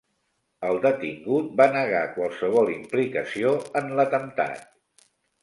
El detingut va negar qualsevol implicació en l'atemptat.